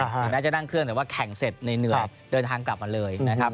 หรือแม่จะนั่งเครื่องแบบว่าแข่งแสดเย็นเดินทางกลับมาเลยนะครับ